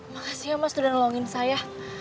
makasih ya mas udah nolongin saya